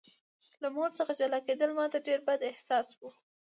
له مور څخه جلا کېدل ماته ډېر بد احساس و